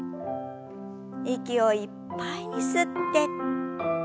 息をいっぱいに吸って。